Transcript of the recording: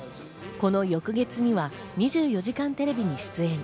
この翌月には『２４時間テレビ』に出演。